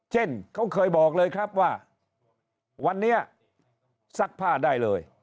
เช่นเขาเคยบอกเลยครับว่าวันนี้ซักผ้าได้เลย